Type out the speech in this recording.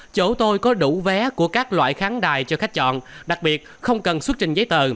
chỗ tôi có đủ vé của các loại kháng đài cho khách chọn đặc biệt không cần xuất trình giấy tờ